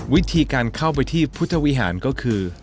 วิธีการเข้าไปที่พุทธวิหารก็คือ